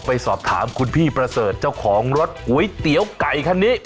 ไปสอบถามคุณพี่ประเสริฐเจ้าของรถก๋วยเตี๋ยวไก่คันนี้